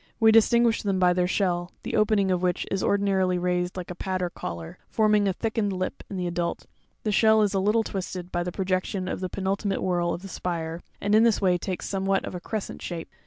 .We distinguish them by their shell, the opening of which 1s ordinarily raised like a pad or collar, forming a thickened lip in the adult ; the shell is a little twisted by the projection of the penultimate whorl of the spire, and ia this way takes somewhat of a crescent shape.